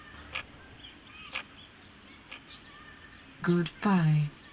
「グッバイ」。